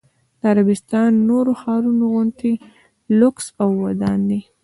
د عربستان نورو ښارونو غوندې لوکس او ودان دی.